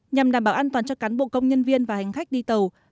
nhằm đảm bảo an toàn cho cán bộ công nhân viên và hành khách đi tàu